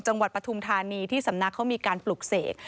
ปฐุมธานีที่สำนักเขามีการปลูกเสก